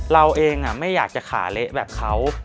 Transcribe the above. เราเองไม่อยากจะขาเละแบบเขา